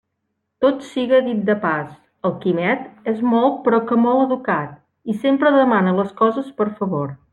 Tot siga dit de pas, el Quimet és molt però que molt educat, i sempre demana les coses per favor.